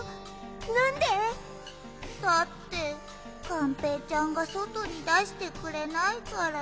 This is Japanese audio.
なんで？だってがんぺーちゃんがそとにだしてくれないから。